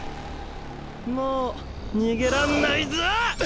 もう逃げらんないぞ！！